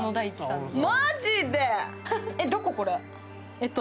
えっと